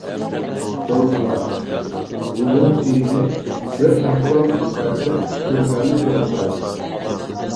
ئورۇقلاش: ۋۇلۇڭ چېيىنى بىر ھەپتە ئىچىپ بەرسە كۆرۈنەرلىك ئورۇقلايدۇ.